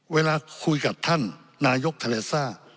เวลาคุยกับท่านนายกเทเลซ่า